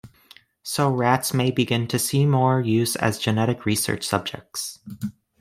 So rats may begin to see more use as genetic research subjects.